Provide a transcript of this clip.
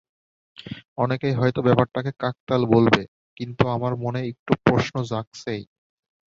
অনেকেই হয়তো ব্যাপারটাকে কাকতাল বলবে, কিন্তু আমার মনে একটু প্রশ্ন জাগছেই।